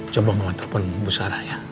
coba mau telepon bu sarah ya